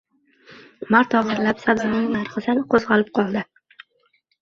Mart oxirlab, sabzining narxi sal qoʻzgʻalib qoldi.